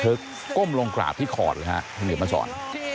ทึกก้มลงกราบที่คอร์ดนะครับท่านเหนียวมาสอน